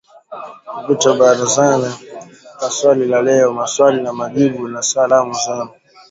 kupitia Barazani na Swali la Leo, Maswali na Majibu, na Salamu Zenu